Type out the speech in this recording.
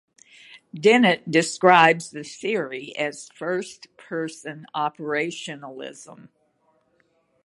Dennett describes the theory as "first-person operationalism".